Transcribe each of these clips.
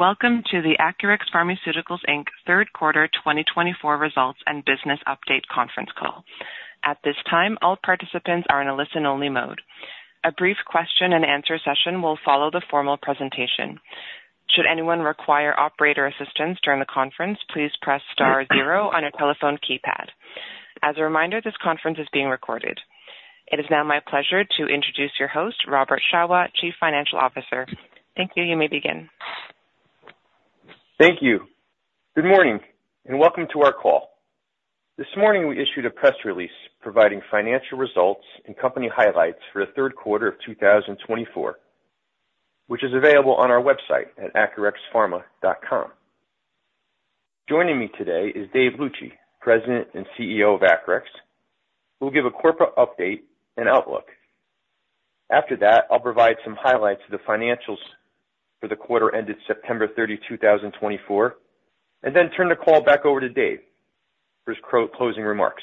Welcome to the Acurx Pharmaceuticals, Inc. Third Quarter 2024 Results and Business Update Conference Call. At this time, all participants are in a listen-only mode. A brief question-and-answer session will follow the formal presentation. Should anyone require operator assistance during the conference, please press star zero on your telephone keypad. As a reminder, this conference is being recorded. It is now my pleasure to introduce your host, Robert Shawah, Chief Financial Officer. Thank you. You may begin. Thank you. Good morning and welcome to our call. This morning, we issued a press release providing financial results and company highlights for the third quarter of 2024, which is available on our website at acurxpharma.com. Joining me today is David Luci, President and CEO of Acurx, who will give a corporate update and outlook. After that, I'll provide some highlights of the financials for the quarter ended September 30, 2024, and then turn the call back over to David for his closing remarks.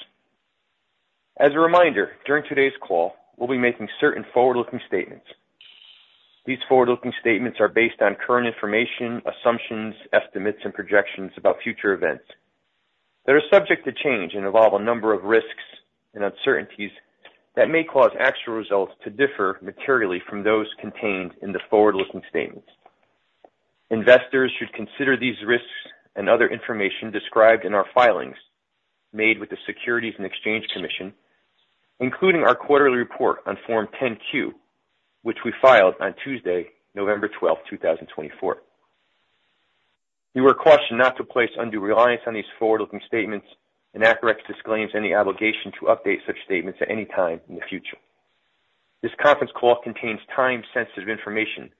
As a reminder, during today's call, we'll be making certain forward-looking statements. These forward-looking statements are based on current information, assumptions, estimates, and projections about future events that are subject to change and involve a number of risks and uncertainties that may cause actual results to differ materially from those contained in the forward-looking statements. Investors should consider these risks and other information described in our filings made with the Securities and Exchange Commission, including our quarterly report on Form 10-Q, which we filed on Tuesday, November 12, 2024. You are cautioned not to place undue reliance on these forward-looking statements, and Acurx disclaims any obligation to update such statements at any time in the future. This conference call contains time-sensitive information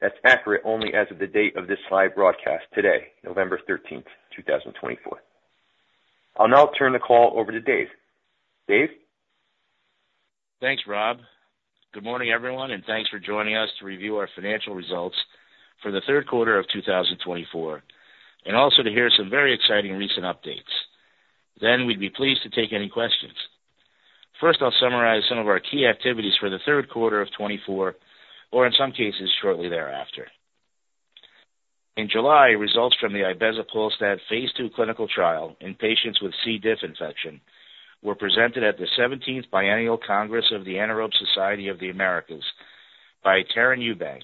that's accurate only as of the date of this live broadcast today, November 13, 2024. I'll now turn the call over to David. David? Thanks, Robert. Good morning, everyone, and thanks for joining us to review our financial results for the third quarter of 2024, and also to hear some very exciting recent updates. Then we'd be pleased to take any questions. First, I'll summarize some of our key activities for the third quarter of 2024, or in some cases, shortly thereafter. In July, results from the ibezapolstat phase II clinical trial in patients with C. diff infection were presented at the 17th Biennial Congress of the Anaerobe Society of the Americas by Taryn Eubank,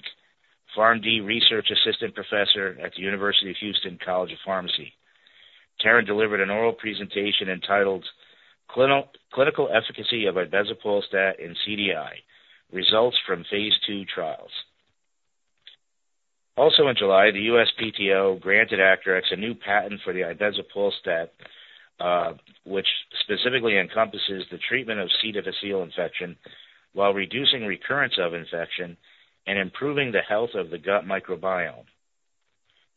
PharmD Research Assistant Professor at the University of Houston College of Pharmacy. Taryn delivered an oral presentation entitled "Clinical Efficacy of ibezapolstat in CDI: Results from phase II Trials." Also, in July, the USPTO granted Acurx a new patent for the ibezapolstat, which specifically encompasses the treatment of C. difficile infection while reducing recurrence of infection and improving the health of the gut microbiome.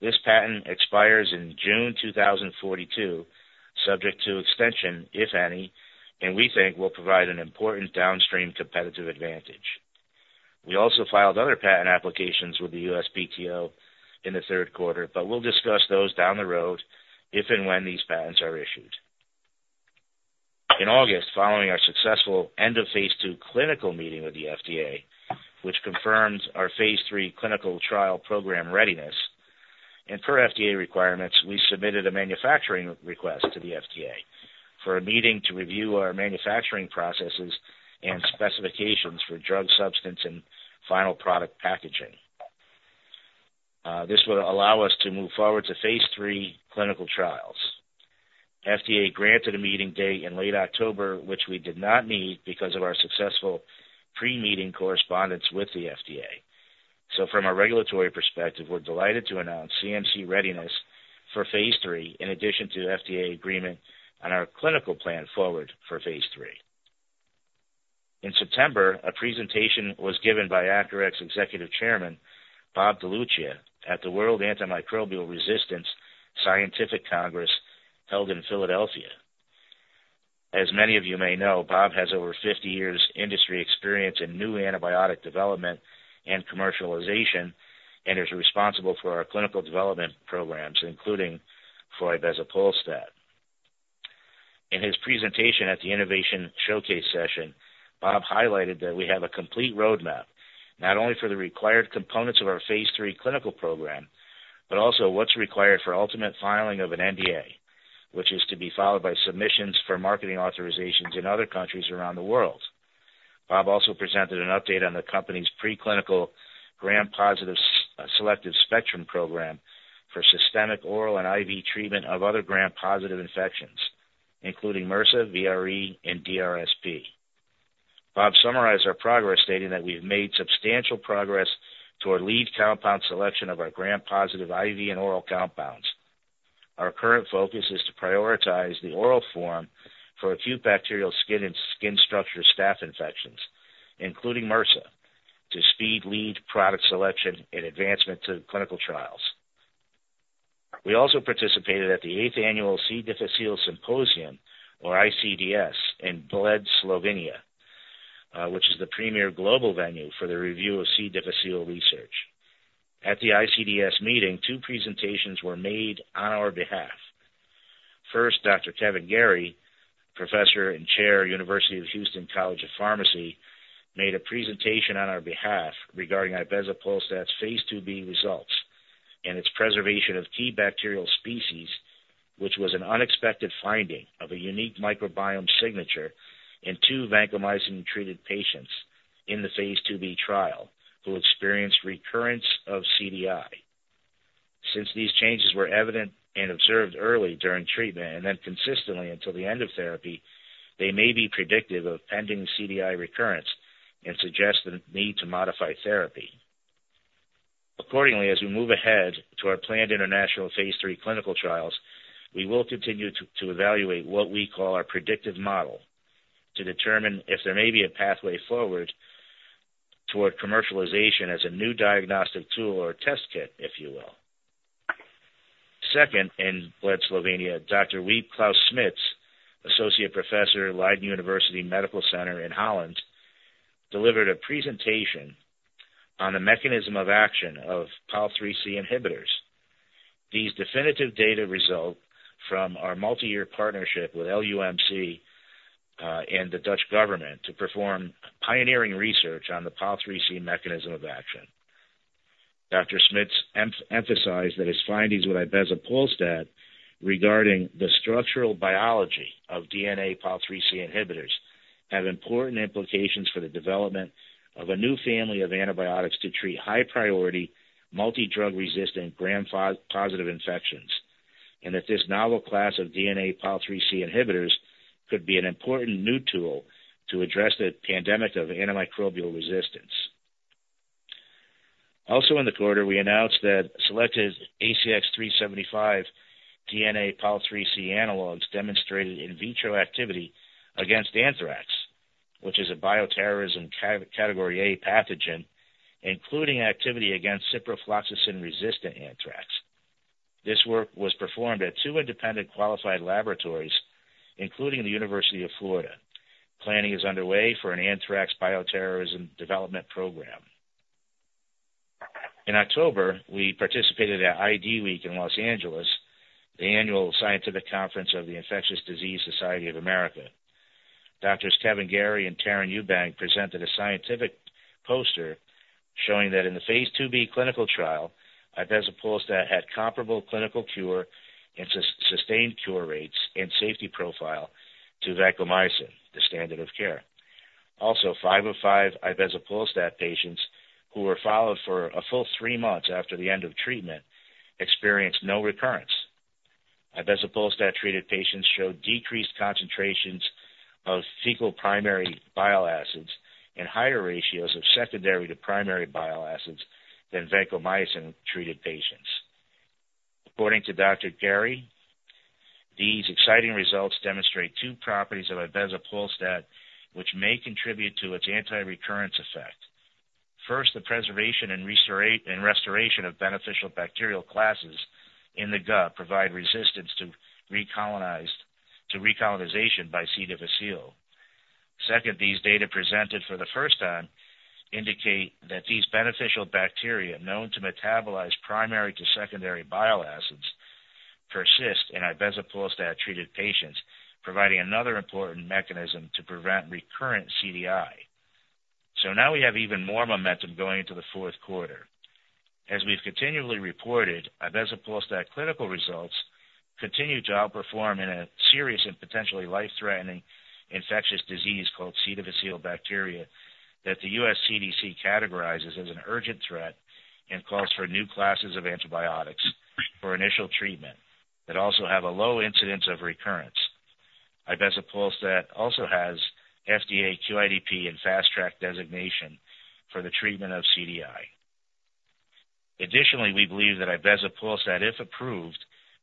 This patent expires in June 2042, subject to extension if any, and we think will provide an important downstream competitive advantage. We also filed other patent applications with the USPTO in the third quarter, but we'll discuss those down the road if and when these patents are issued. In August, following our successful end of phase II clinical meeting with the FDA, which confirmed our phase III clinical trial program readiness, and per FDA requirements, we submitted a manufacturing request to the FDA for a meeting to review our manufacturing processes and specifications for drug substance and final product packaging. This would allow us to move forward to phase III clinical trials. FDA granted a meeting date in late October, which we did not need because of our successful pre-meeting correspondence with the FDA. From a regulatory perspective, we're delighted to announce CMC readiness for phase III in addition to FDA agreement on our clinical plan forward for phase III. In September, a presentation was given by Acurx Executive Chairman, Bob DeLuccia, at the World Antimicrobial Resistance Scientific Congress held in Philadelphia. As many of you may know, Bob has over 50 years' industry experience in new antibiotic development and commercialization and is responsible for our clinical development programs, including for ibezapolstat. In his presentation at the Innovation Showcase session, Bob highlighted that we have a complete roadmap not only for the required components of our phase III clinical program, but also what's required for ultimate filing of an NDA, which is to be followed by submissions for marketing authorizations in other countries around the world. Bob also presented an update on the company's preclinical Gram-positive selective spectrum program for systemic oral and IV treatment of other Gram-positive infections, including MRSA, VRE, and DRSP. Bob summarized our progress, stating that we've made substantial progress toward lead compound selection of our Gram-positive IV and oral compounds. Our current focus is to prioritize the oral form for acute bacterial skin and skin structure staph infections, including MRSA, to speed lead product selection and advancement to clinical trials. We also participated at the eighth Annual C. difficile Symposium, or ICDS, in Bled, Slovenia, which is the premier global venue for the review of C. difficile research. At the ICDS meeting, two presentations were made on our behalf. First, Dr. Kevin Garey, Professor and Chair, University of Houston College of Pharmacy, made a presentation on our behalf regarding ibezapolstat's phase IIb results and its preservation of key bacterial species, which was an unexpected finding of a unique microbiome signature in two vancomycin-treated patients in the phase IIb trial who experienced recurrence of CDI. Since these changes were evident and observed early during treatment and then consistently until the end of therapy, they may be predictive of pending CDI recurrence and suggest the need to modify therapy. Accordingly, as we move ahead to our planned international phase III clinical trials, we will continue to evaluate what we call our predictive model to determine if there may be a pathway forward toward commercialization as a new diagnostic tool or test kit, if you will. Second, in Bled, Slovenia, Dr. Klaas Smits, Associate Professor, Leiden University Medical Center in Holland, delivered a presentation on the mechanism of action of DNA polymerase IIIC inhibitors. These definitive data result from our multi-year partnership with LUMC and the Dutch government to perform pioneering research on the DNA polymerase IIIC mechanism of action. Dr. Smits emphasized that his findings with ibezapolstat regarding the structural biology of DNA polymerase IIIC inhibitors have important implications for the development of a new family of antibiotics to treat high-priority, multi-drug-resistant Gram-positive infections, and that this novel class of DNA polymerase IIIC inhibitors could be an important new tool to address the pandemic of antimicrobial resistance. Also, in the quarter, we announced that selected ACX-375 DNA polymerase IIIC analogs demonstrated in vitro activity against anthrax, which is a bioterrorism category A pathogen, including activity against ciprofloxacin-resistant anthrax. This work was performed at two independent qualified laboratories, including the University of Florida. Planning is underway for an anthrax bioterrorism development program. In October, we participated at IDWeek in Los Angeles, the annual scientific conference of the Infectious Diseases Society of America. Doctors Kevin Garey and Taryn Eubank presented a scientific poster showing that in the phase IIb clinical trial, ibezapolstat had comparable clinical cure and sustained cure rates and safety profile to vancomycin, the standard of care. Also, five of five ibezapolstat patients who were followed for a full three months after the end of treatment experienced no recurrence. Ibezapolstat treated patients showed decreased concentrations of fecal primary bile acids and higher ratios of secondary to primary bile acids than vancomycin-treated patients. According to Dr. Garey, these exciting results demonstrate two properties of ibezapolstat, which may contribute to its anti-recurrence effect. First, the preservation and restoration of beneficial bacterial classes in the gut provide resistance to recolonization by C. difficile. Second, these data presented for the first time indicate that these beneficial bacteria known to metabolize primary to secondary bile acids persist in ibezapolstat treated patients, providing another important mechanism to prevent recurrent CDI. So now we have even more momentum going into the fourth quarter. As we've continually reported, ibezapolstat clinical results continue to outperform in a serious and potentially life-threatening infectious disease called C. difficile bacteria that the U.S. CDC categorizes as an urgent threat and calls for new classes of antibiotics for initial treatment that also have a low incidence of recurrence. Ibezapolstat also has FDA QIDP and Fast Track designation for the treatment of CDI. Additionally, we believe that ibezapolstat, if approved,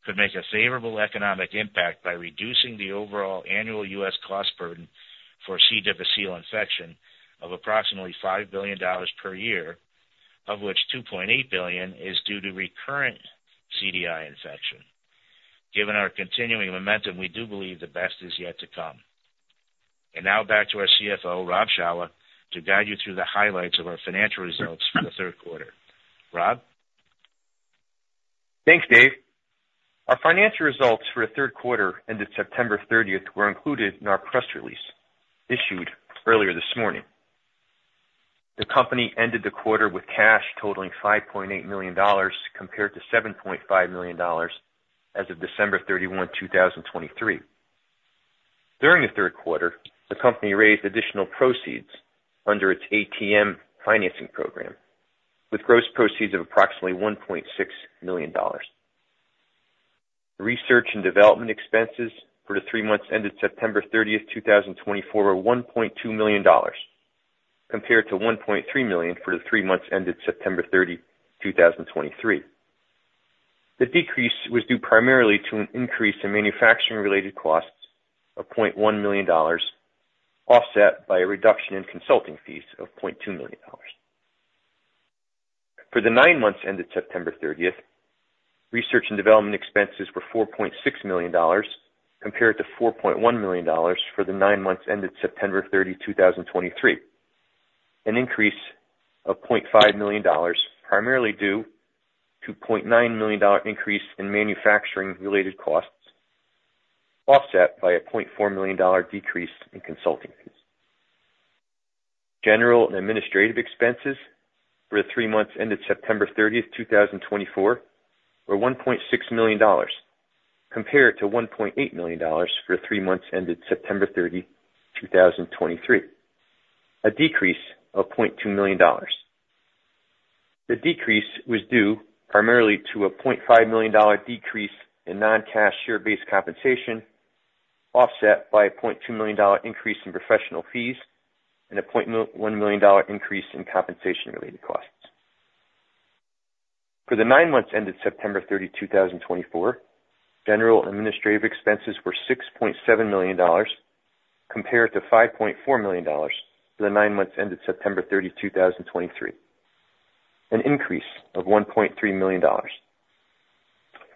could make a favorable economic impact by reducing the overall annual U.S. cost burden for C. difficile infection of approximately $5 billion per year, of which $2.8 billion is due to recurrent CDI infection. Given our continuing momentum, we do believe the best is yet to come. And now back to our CFO, Robert Shawah, to guide you through the highlights of our financial results for the third quarter. Robert? Thanks, David. Our financial results for the third quarter ended September 30 were included in our press release issued earlier this morning. The company ended the quarter with cash totaling $5.8 million compared to $7.5 million as of December 31, 2023. During the third quarter, the company raised additional proceeds under its ATM financing program, with gross proceeds of approximately $1.6 million. Research and development expenses for the three months ended September 30, 2024, were $1.2 million compared to $1.3 million for the three months ended September 30, 2023. The decrease was due primarily to an increase in manufacturing-related costs of $0.1 million, offset by a reduction in consulting fees of $0.2 million. For the nine months ended September 30, research and development expenses were $4.6 million compared to $4.1 million for the nine months ended September 30, 2023, an increase of $0.5 million, primarily due to a $0.9 million increase in manufacturing-related costs, offset by a $0.4 million decrease in consulting fees. General and administrative expenses for the three months ended September 30, 2024, were $1.6 million compared to $1.8 million for the three months ended September 30, 2023, a decrease of $0.2 million. The decrease was due primarily to a $0.5 million decrease in non-cash share-based compensation, offset by a $0.2 million increase in professional fees and a $0.1 million increase in compensation-related costs. For the nine months ended September 30, 2024, general and administrative expenses were $6.7 million compared to $5.4 million for the nine months ended September 30, 2023, an increase of $1.3 million.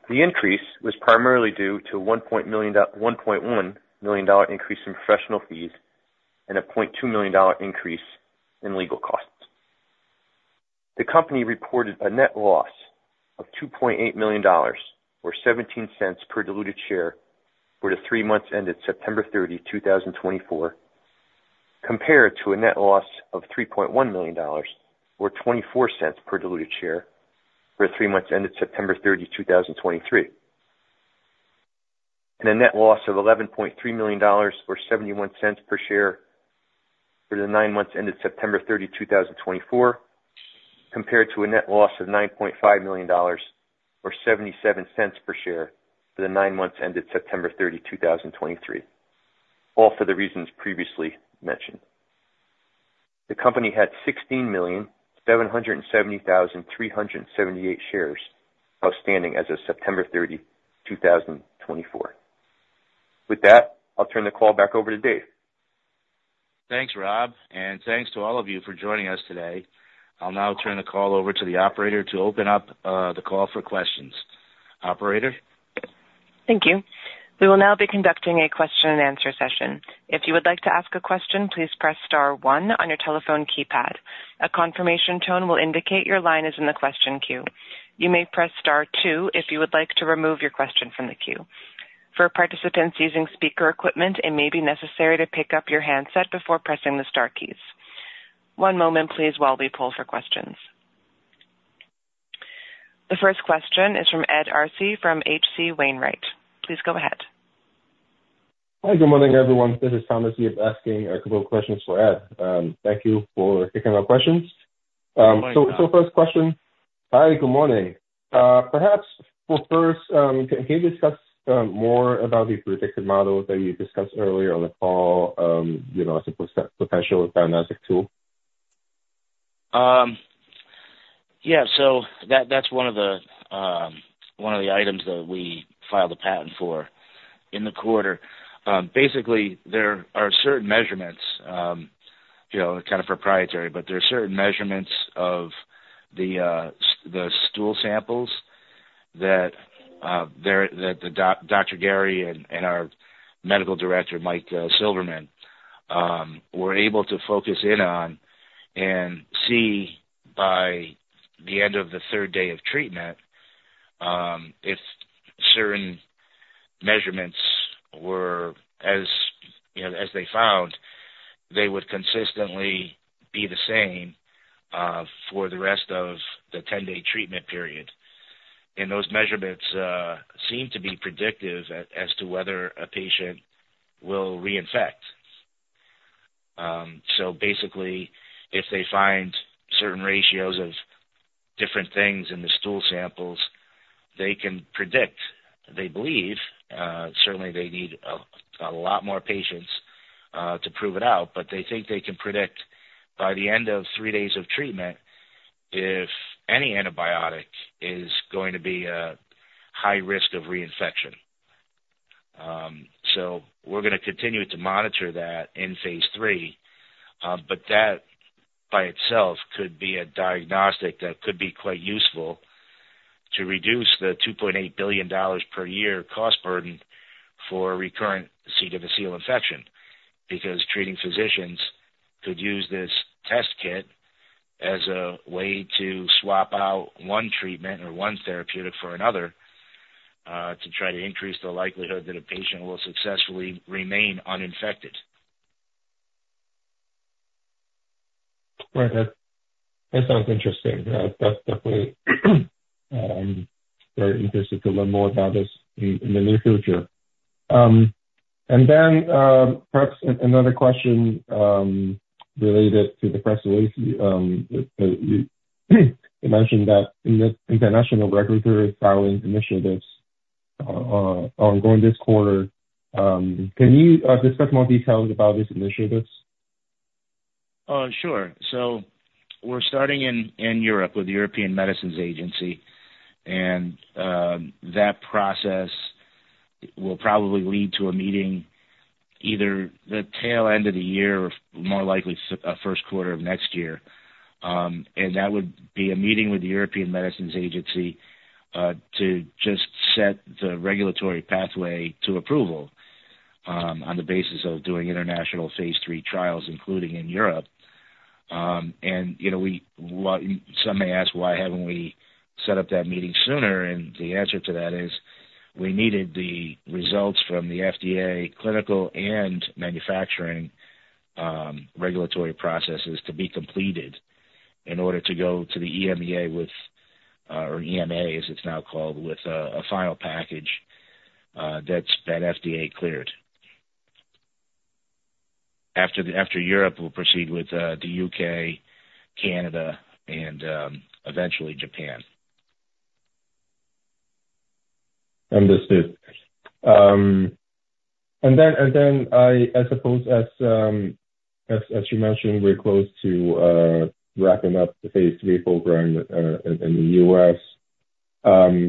The increase was primarily due to a $1.1 million increase in professional fees and a $0.2 million increase in legal costs. The company reported a net loss of $2.8 million, or $0.17 per diluted share, for the three months ended September 30, 2024, compared to a net loss of $3.1 million, or $0.24 per diluted share, for the three months ended September 30, 2023, and a net loss of $11.3 million, or $0.71 per share, for the nine months ended September 30, 2024, compared to a net loss of $9.5 million, or $0.77 per share, for the nine months ended September 30, 2023, all for the reasons previously mentioned. The company had 16,770,378 shares outstanding as of September 30, 2024. With that, I'll turn the call back over to David. Thanks, Robert. Thanks to all of you for joining us today. I'll now turn the call over to the operator to open up the call for questions. Operator? Thank you. We will now be conducting a question-and-answer session. If you would like to ask a question, please press star one on your telephone keypad. A confirmation tone will indicate your line is in the question queue. You may press star two if you would like to remove your question from the queue. For participants using speaker equipment, it may be necessary to pick up your handset before pressing the star keys. One moment, please, while we pull for questions. The first question is from Ed Arce from H.C. Wainwright. Please go ahead. Hi, good morning, everyone. This is Thomas here asking a couple of questions for Ed. Thank you for taking our questions. So, first question. Hi. Hi, good morning. Perhaps first, can you discuss more about the predictive model that you discussed earlier on the call as a potential diagnostic tool? Yeah. So that's one of the items that we filed a patent for in the quarter. Basically, there are certain measurements - it's kind of proprietary - but there are certain measurements of the stool samples that Dr. Garey and our medical director, Mike Silverman, were able to focus in on and see by the end of the third day of treatment if certain measurements were, as they found, they would consistently be the same for the rest of the 10-day treatment period, and those measurements seem to be predictive as to whether a patient will reinfect. So basically, if they find certain ratios of different things in the stool samples, they can predict, they believe. Certainly, they need a lot more patients to prove it out, but they think they can predict by the end of three days of treatment if any antibiotic is going to be a high risk of reinfection. So, we're going to continue to monitor that in phase 3, but that by itself could be a diagnostic that could be quite useful to reduce the $2.8 billion per year cost burden for recurrent C. difficile infection because treating physicians could use this test kit as a way to swap out one treatment or one therapeutic for another to try to increase the likelihood that a patient will successfully remain uninfected. Right. That sounds interesting. That's definitely very interesting to learn more about this in the near future. And then perhaps another question related to the press release. You mentioned that the International Regulatory Filing Initiative is ongoing this quarter. Can you discuss more details about these initiatives? Sure. So we're starting in Europe with the European Medicines Agency, and that process will probably lead to a meeting either the tail end of the year or more likely first quarter of next year. And that would be a meeting with the European Medicines Agency to just set the regulatory pathway to approval on the basis of doing international phase three trials, including in Europe. And some may ask, "Why haven't we set up that meeting sooner?" And the answer to that is we needed the results from the FDA clinical and manufacturing regulatory processes to be completed in order to go to the EMEA with, or EMA as it's now called, with a final package that's been FDA cleared. After Europe, we'll proceed with the UK, Canada, and eventually Japan. Understood. And then, I suppose, as you mentioned, we're close to wrapping up the phase III program in the U.S.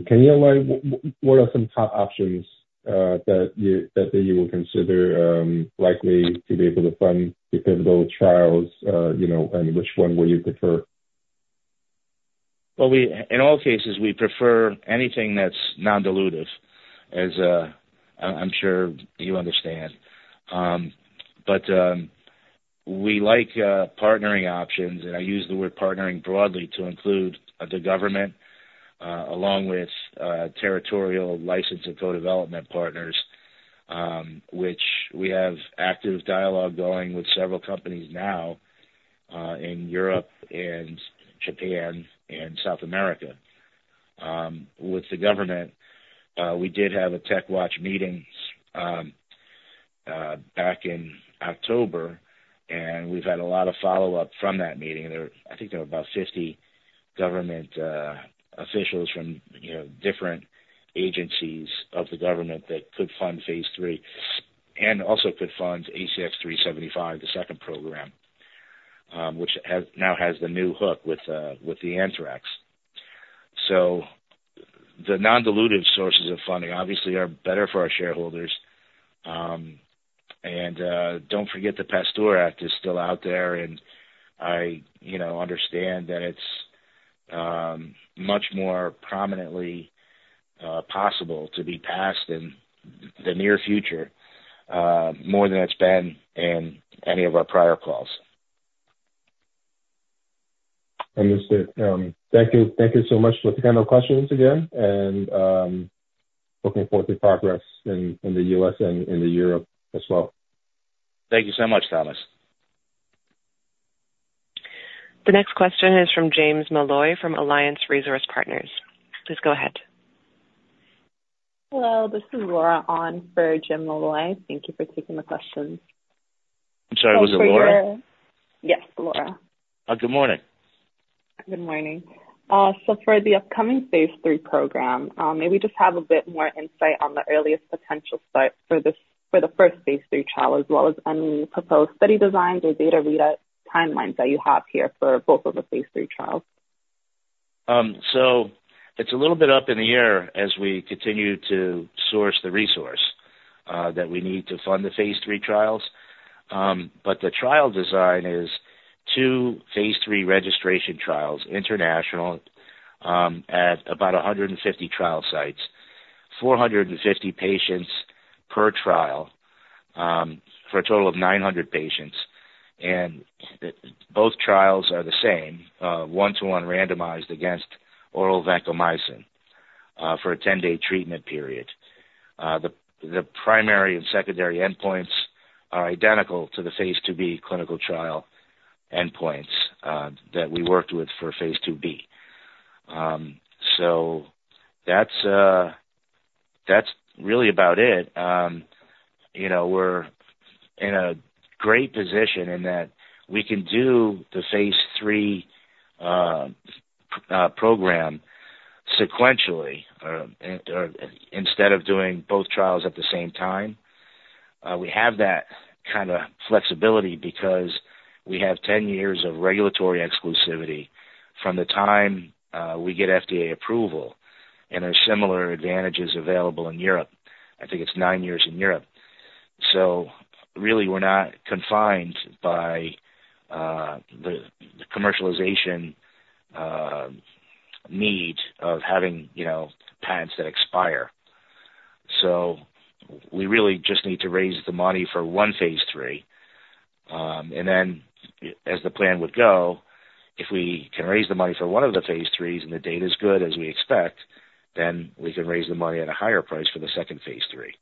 Can you elaborate what are some top options that you would consider likely to be able to fund the pivotal trials, and which one would you prefer? In all cases, we prefer anything that's non-dilutive, as I'm sure you understand. But we like partnering options, and I use the word partnering broadly to include the government along with territorial license and co-development partners, which we have active dialogue going with several companies now in Europe and Japan and South America. With the government, we did have a TechWatch meeting back in October, and we've had a lot of follow-up from that meeting. I think there were about 50 government officials from different agencies of the government that could fund phase three and also could fund ACX-375, the second program, which now has the new hook with the Anthrax. So the non-dilutive sources of funding obviously are better for our shareholders. Don't forget, the PASTEUR Act is still out there, and I understand that it's much more prominently possible to be passed in the near future more than it's been in any of our prior calls. Understood. Thank you so much for taking our questions again, and looking forward to progress in the U.S. and in Europe as well. Thank you so much, Thomas. The next question is from James Molloy from Alliance Resource Partners. Please go ahead. Hello. This is Laura on for James Molloy. Thank you for taking the questions. I'm sorry. Was it Laura? Yes, Laura. Good morning. Good morning. So for the upcoming phase three program, may we just have a bit more insight on the earliest potential start for the first phase three trial, as well as any proposed study designs or data readout timelines that you have here for both of the phase three trials? It's a little bit up in the air as we continue to source the resource that we need to fund the phase 3 trials. The trial design is two phase 3 registration trials, international, at about 150 trial sites, 450 patients per trial for a total of 900 patients. Both trials are the same, one-to-one randomized against oral vancomycin for a 10-day treatment period. The primary and secondary endpoints are identical to the phase 2b clinical trial endpoints that we worked with for phase 2b. That's really about it. We're in a great position in that we can do the phase 3 program sequentially instead of doing both trials at the same time. We have that kind of flexibility because we have 10 years of regulatory exclusivity from the time we get FDA approval, and there are similar advantages available in Europe. I think it's nine years in Europe. So really, we're not confined by the commercialization need of having patents that expire. So we really just need to raise the money for one phase three. And then, as the plan would go, if we can raise the money for one of the phase threes and the data is good as we expect, then we can raise the money at a higher price for the second phase three.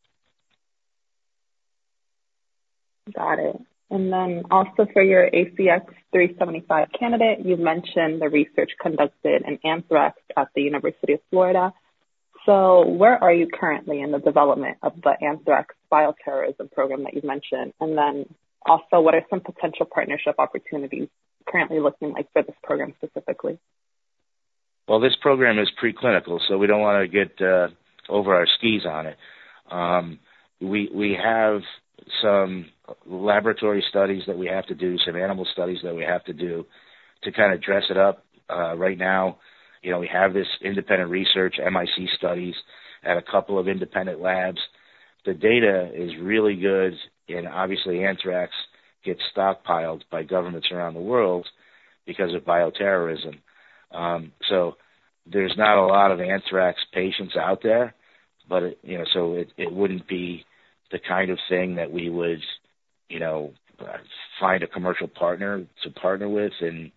Got it. And then also for your ACX-375 candidate, you mentioned the research conducted in Anthrax at the University of Florida. So where are you currently in the development of the Anthrax Bioterrorism program that you mentioned? And then also, what are some potential partnership opportunities currently looking like for this program specifically? This program is preclinical, so we don't want to get over our skis on it. We have some laboratory studies that we have to do, some animal studies that we have to do to kind of dress it up. Right now, we have this independent research, MIC studies at a couple of independent labs. The data is really good, and obviously, Anthrax gets stockpiled by governments around the world because of bioterrorism. So there's not a lot of Anthrax patients out there. So it wouldn't be the kind of thing that we would find a commercial partner to partner with and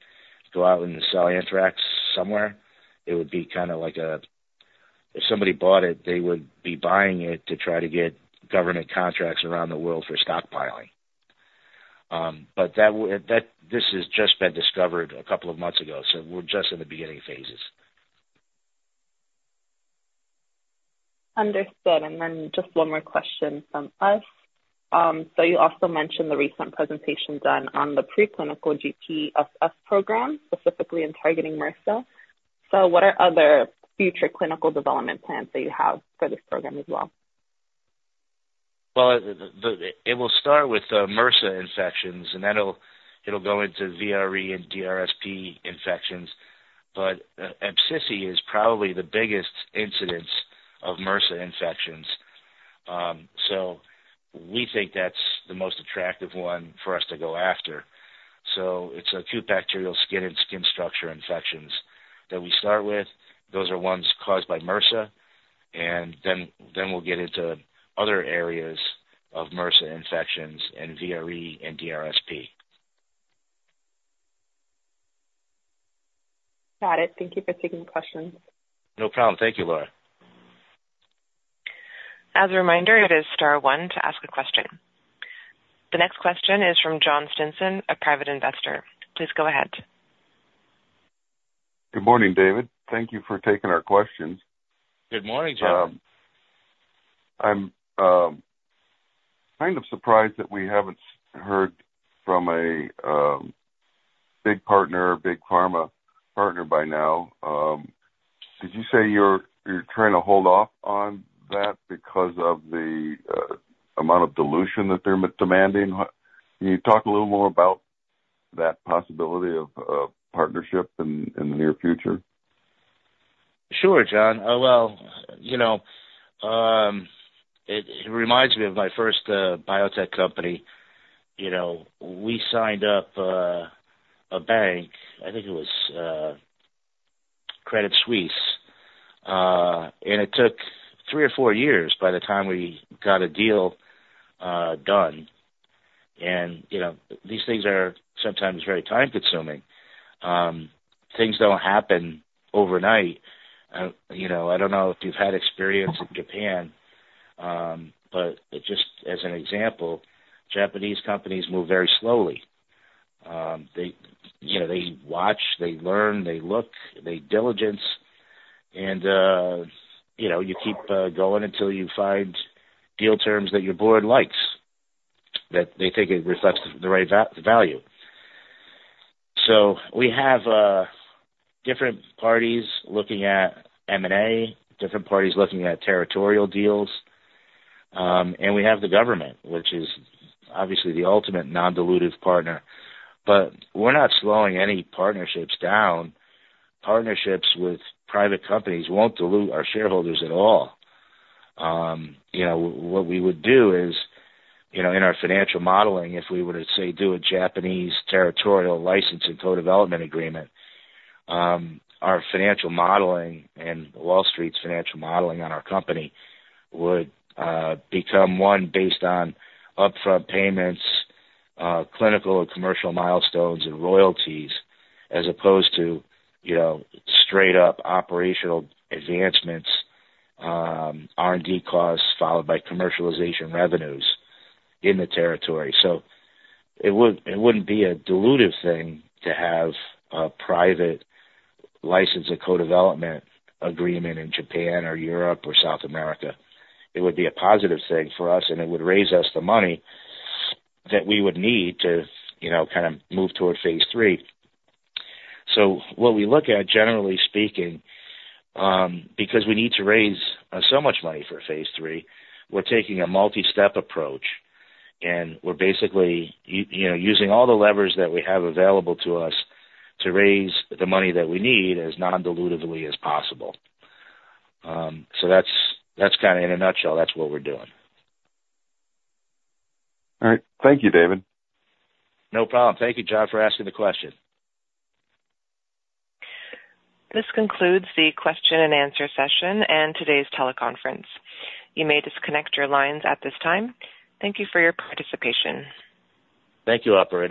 go out and sell Anthrax somewhere. It would be kind of like if somebody bought it, they would be buying it to try to get government contracts around the world for stockpiling. This has just been discovered a couple of months ago, so we're just in the beginning phases. Understood. And then just one more question from us. So you also mentioned the recent presentation done on the preclinical GPSS program, specifically in targeting MRSA. So what are other future clinical development plans that you have for this program as well? It will start with MRSA infections, and then it'll go into VRE and DRSP infections. ABSSSI is probably the biggest incidence of MRSA infections. We think that's the most attractive one for us to go after. It's acute bacterial skin and skin structure infections that we start with. Those are ones caused by MRSA. Then we'll get into other areas of MRSA infections and VRE and DRSP. Got it. Thank you for taking the questions. No problem. Thank you, Laura. As a reminder, it is star one to ask a question. The next question is from John Stinson, a private investor. Please go ahead. Good morning, David. Thank you for taking our questions. Good morning, John. I'm kind of surprised that we haven't heard from a big partner, big pharma partner by now. Did you say you're trying to hold off on that because of the amount of dilution that they're demanding? Can you talk a little more about that possibility of partnership in the near future? Sure, John. Well, it reminds me of my first biotech company. We signed up a bank. I think it was Credit Suisse, and it took three or four years by the time we got a deal done, and these things are sometimes very time-consuming. Things don't happen overnight. I don't know if you've had experience in Japan, but just as an example, Japanese companies move very slowly. They watch, they learn, they look, they diligence, and you keep going until you find deal terms that your board likes, that they think it reflects the right value, so we have different parties looking at M&A, different parties looking at territorial deals, and we have the government, which is obviously the ultimate non-dilutive partner, but we're not slowing any partnerships down. Partnerships with private companies won't dilute our shareholders at all. What we would do is, in our financial modeling, if we were to, say, do a Japanese territorial license and co-development agreement, our financial modeling and Wall Street's financial modeling on our company would become one based on upfront payments, clinical and commercial milestones, and royalties, as opposed to straight-up operational advancements, R&D costs followed by commercialization revenues in the territory. So it wouldn't be a dilutive thing to have a private license and co-development agreement in Japan or Europe or South America. It would be a positive thing for us, and it would raise us the money that we would need to kind of move toward phase three. What we look at, generally speaking, because we need to raise so much money for phase III, we're taking a multi-step approach, and we're basically using all the levers that we have available to us to raise the money that we need as non-dilutively as possible. So that's kind of, in a nutshell, that's what we're doing. All right. Thank you, David. No problem. Thank you, John, for asking the question. This concludes the question and answer session and today's teleconference. You may disconnect your lines at this time. Thank you for your participation. Thank you, Operator.